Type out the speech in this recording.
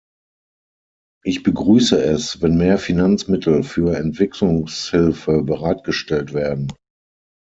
Ich begrüße es, wenn mehr Finanzmittel für Entwicklungshilfe bereitgestellt werden.